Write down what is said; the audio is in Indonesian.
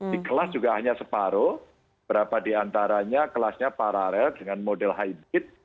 di kelas juga hanya separuh berapa di antaranya kelasnya paralel dengan model hybrid